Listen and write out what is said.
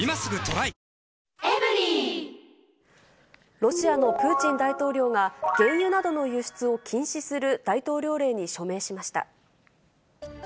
ロシアのプーチン大統領が原油などの輸出を禁止する大統領令に署名しました。